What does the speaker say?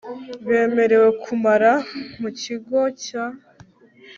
bemerewe kumara mu kigo cya